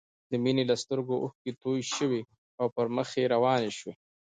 د مينې له سترګو اوښکې توې شوې او پر مخ يې روانې شوې